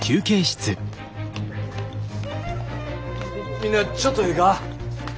みんなちょっとええか？